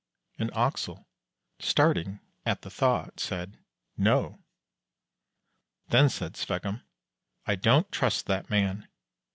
And Axel, starting at the thought, said: "No." Then said Sveggum: "I don't trust that man.